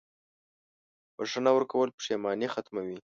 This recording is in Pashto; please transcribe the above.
• بښنه ورکول پښېماني ختموي.